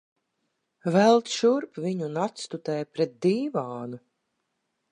Velc šurp viņu un atstutē pret dīvānu.